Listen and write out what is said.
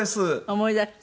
思い出した？